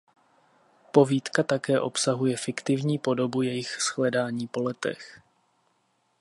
Povídka také obsahuje fiktivní podobu jejich shledání po letech.